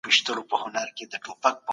میندې باید د شیدو ورکولو پر مهال ارام وي.